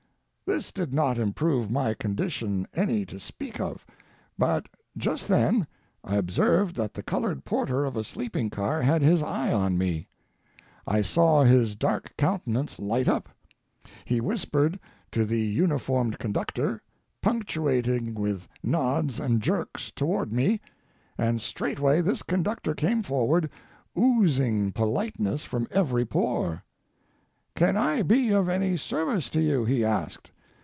This did not improve my condition any to speak of, but just then I observed that the colored porter of a sleeping car had his eye on me. I saw his dark countenance light up. He whispered to the uniformed conductor, punctuating with nods and jerks toward me, and straightway this conductor came forward, oozing politeness from every pore. "Can I be of any service to you?" he asked.